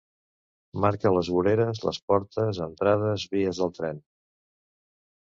Marca les voreres, les portes, entrades, vies del tren.